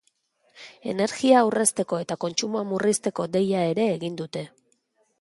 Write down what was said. Energia aurrezteko eta kontsumoa murrizteko deia ere egin dute.